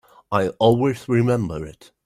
I'll always remember it.